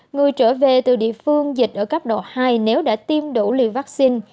người trở về từ địa phương dịch ở cấp độ hai nếu đã tiêm đủ liều vaccine